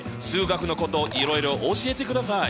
数学のこといろいろ教えてください。